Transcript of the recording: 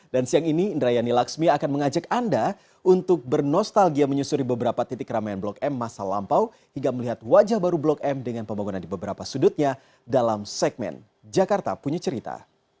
dan siang ini indrayani laksmi akan mengajak anda untuk bernostalgia menyusuri beberapa titik ramaian blok m masa lampau hingga melihat wajah baru blok m dengan pembangunan di beberapa sudutnya dalam segmen jakarta punya cerita